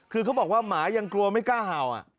คือเขาบอกว่าหมายังกลัวไม่กล้าเห่า